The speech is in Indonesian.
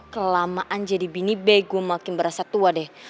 kelamaan jadi bini bay gue makin berasa tua deh